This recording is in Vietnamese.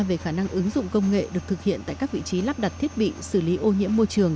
về khả năng ứng dụng công nghệ được thực hiện tại các vị trí lắp đặt thiết bị xử lý ô nhiễm môi trường